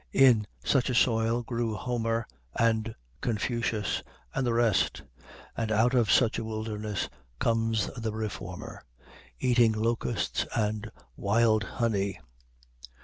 In such a soil grew Homer and Confucius and the rest, and out of such a wilderness comes the Reformer eating locusts and wild honey.